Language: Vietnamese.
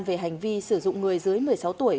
về hành vi sử dụng người dưới một mươi sáu tuổi